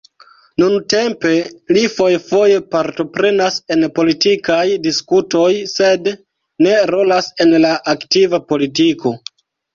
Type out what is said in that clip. Nuntempe li fojfoje partoprenas en politikaj diskutoj, sed ne rolas en la aktiva politiko.